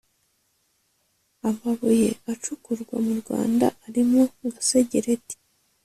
Amabuye acukurwa mu Rwanda arimo Gasegereti